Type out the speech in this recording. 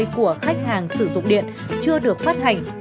của khách hàng sử dụng điện chưa được phát hành